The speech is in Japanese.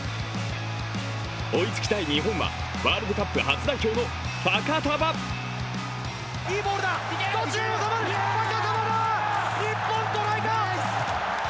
追いつきたい日本はワールドカップ初代表のファカタヴァ。